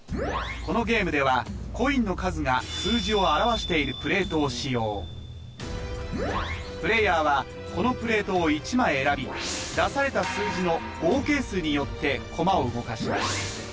このゲームではコインの数が数字を表しているプレートを使用プレーヤーはこのプレートを１枚選び出された数字の合計数によってコマを動かします